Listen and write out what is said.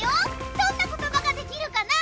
どんな言葉ができるかな？